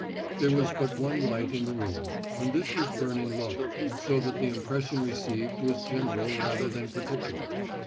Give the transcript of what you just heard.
There was but one light in the room, and this was burning low, so that the impression received was general rather than particular.